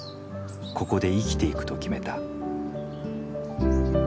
ここで生きていくと決めた。